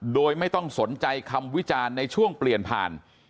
โดยไม่ต้องสนใจคำวิจารณ์ในช่วงเปลี่ยนผ่าน